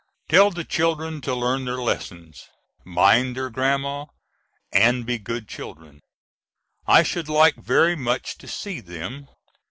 Tell the children to learn their lessons, mind their Grandma and be good children. I should like very much to see them.